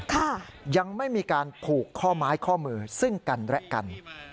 ยังไม่มีการผูกข้อไม้ข้อมือซึ่งกันและกัน